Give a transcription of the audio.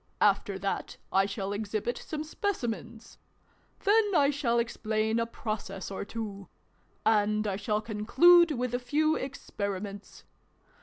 After that I shall exhibit some Specimens. Then I shall explain a Process or two. And I shall conclude with a few Ex periments.